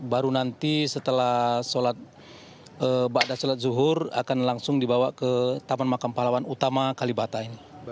baru nanti setelah sholat bada sholat zuhur akan langsung dibawa ke taman makam pahlawan utama kalibata ini